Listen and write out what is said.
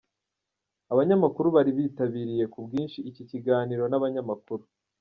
Abanyamakuru bari bitabiriye ku bwinshi iki kiganiro n'abanyamakuru.